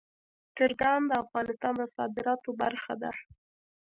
چرګان د افغانستان د صادراتو برخه ده.